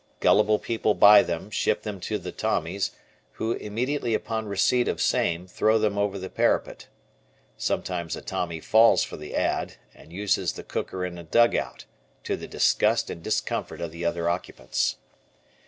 Gullible people buy them, ship them to the Tommies, who, immediately upon receipt of same throw them over the parapet. Sometimes a Tommy falls for the Ad., and uses the cooker in a dugout to the disgust and discomfort of the other occupants.)